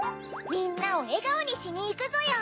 みんなをえがおにしにいくぞよ！